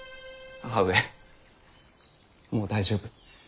母上もう大丈夫。